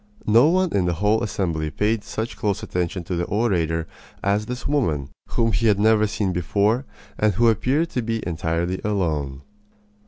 No one in the whole assembly paid such close attention to the orator as did this woman, whom he had never seen before and who appeared to be entirely alone.